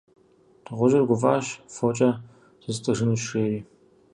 Дыгъужьыр гуфӏащ: «Фокӏэ зыстӏыжынущ! - жери.